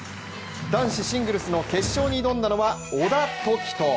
男子シングルスの決勝に挑んだのは小田凱人。